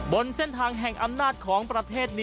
บนเส้นทางแห่งอำนาจของประเทศนี้